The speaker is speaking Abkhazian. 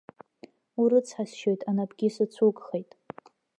Урыцҳасшьоит, анапгьы сыцәугхеит.